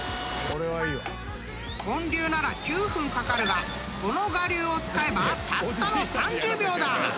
［本流なら９分かかるがこの我流を使えばたったの３０秒だ］